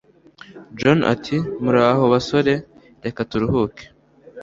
John ati: "Muraho basore, reka turuhuke."